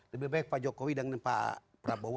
lebih baik pak jokowi yang berusaha mengirim ke pak prabowo